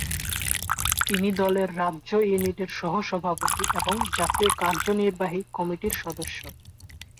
তিনি দলের রাজ্য ইউনিটের সহ-সভাপতি এবং জাতীয় কার্যনির্বাহী কমিটির সদস্য।